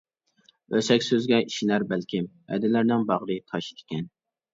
ئۆسەك سۆزگە ئىشىنەر بەلكىم، ھەدىلەرنىڭ باغرى تاش ئىكەن.